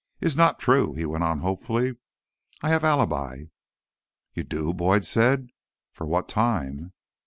"Is not true," he went on hopefully. "I have alibi." "You do?" Boyd said. "For what time?"